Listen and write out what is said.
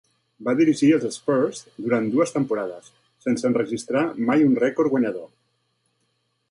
Va dirigir els Spurs durant dues temporades, sense enregistrar mai un rècord guanyador.